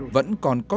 vẫn còn còn